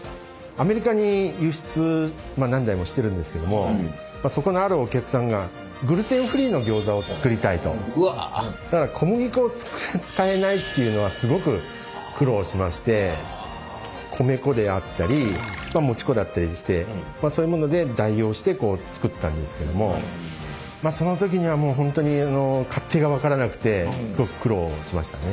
アメリカに輸出何台もしてるんですけどもそこのあるお客さんがだから小麦粉を使えないっていうのはすごく苦労しまして米粉であったりもち粉だったりしてそういうもので代用してこう作ったんですけどもその時にはもう本当に勝手が分からなくてすごく苦労しましたね。